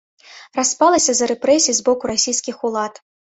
Распалася з-за рэпрэсій з боку расійскіх улад.